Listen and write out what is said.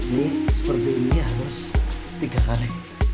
ini seperti ini harus tiga kali